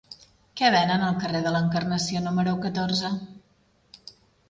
Què venen al carrer de l'Encarnació número catorze?